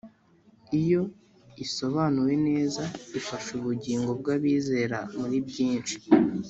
iyo isobanuwe neza, ifasha ubugingo bw'abizera muri byinshi.